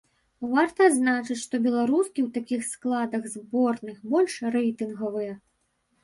Варта адзначыць, што беларускі ў такіх складах зборных больш рэйтынгавыя.